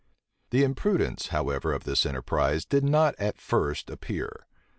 The imprudence, however, of this enterprise did not at first appear.